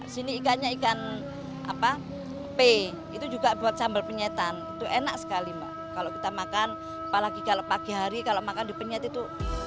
sini ikannya ikan apa pe itu juga buat sambal penyetan itu enak sekali mbak kalau kita makan apalagi kalau pagi hari kalau makan di penyet itu